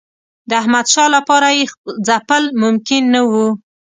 د احمدشاه لپاره یې ځپل ممکن نه وو.